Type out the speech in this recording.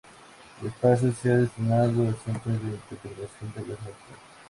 El espacio se ha destinado a Centro de interpretación de la catedral.